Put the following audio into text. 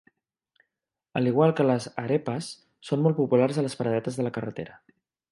A l"igual que les "arepas", són molt populars a les paradetes de la carretera.